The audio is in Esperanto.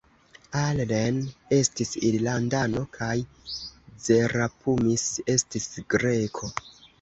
Allen estis Irlandano kaj Zerapumis estis Greko.